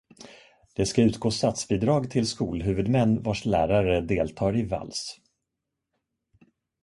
Det ska utgå statsbidrag till skolhuvudmän vars lärare deltar i Vals.